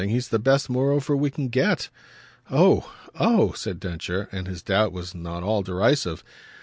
He's the best moreover we can get." "Oh, oh!" said Densher; and his doubt was not all derisive.